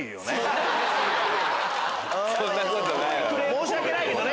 申し訳ないけどね。